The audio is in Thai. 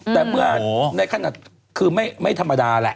แต่เมื่อในขณะคือไม่ธรรมดาแหละ